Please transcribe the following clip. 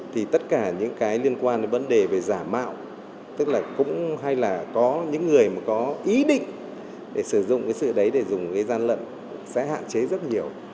thì tất cả những cái liên quan đến vấn đề về giả mạo tức là cũng hay là có những người mà có ý định để sử dụng cái sự đấy để dùng cái gian lận sẽ hạn chế rất nhiều